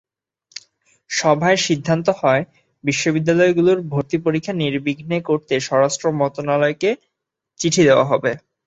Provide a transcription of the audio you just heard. সভায় সিদ্ধান্ত হয়, বিশ্ববিদ্যালয়গুলোর ভর্তি পরীক্ষা নির্বিঘ্নে করতে স্বরাষ্ট্র মন্ত্রণালয়কে চিঠি দেওয়া হবে।